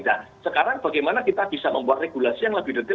nah sekarang bagaimana kita bisa membuat regulasi yang lebih detail